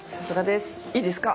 いいですか？